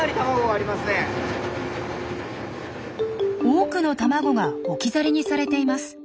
多くの卵が置き去りにされています。